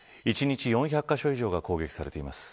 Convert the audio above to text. １日４００カ所以上が攻撃されています。